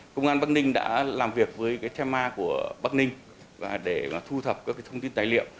công an bắc ninh đã làm việc với tenma của bắc ninh để thu thập các thông tin tài liệu